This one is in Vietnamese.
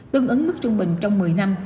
tương ứng mức trung bình trong một mươi năm